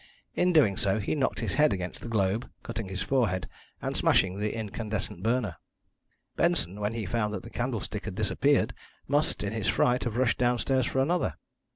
In doing so he knocked his head against the globe, cutting his forehead, and smashing the incandescent burner. "Benson, when he found that the candlestick had disappeared must, in his fright, have rushed downstairs for another.